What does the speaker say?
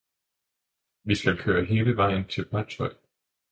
Vi skal køre hele vejen til Brønshøj